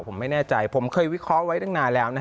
ผมไม่แน่ใจผมเคยวิเคราะห์ไว้ตั้งนานแล้ว